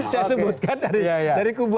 saya sebutkan dari kubur anggaran